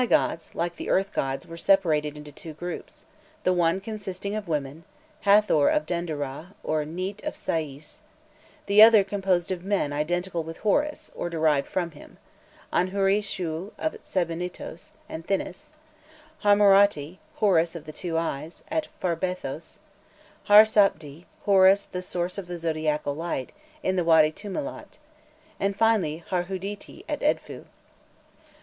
The Sky gods, like the Earth gods, were separated into two groups, the one consisting of women: Hâthor of Denderah, or Nît of Sais; the other composed of men identical with Horus, or derived from him: Anhûri Shû of Sebennytos and Thinis; Harmerati, Horus of the two eyes, at Pharbaethos; Har Sapdi, Horus the source of the zodiacal light, in the Wâdy Tumilât; and finally Harhûdîti at Edfû.